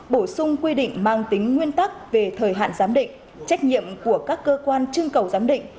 bổ sung quy định mang tính nguyên tắc về thời hạn giám định trách nhiệm của các cơ quan chưng cầu giám định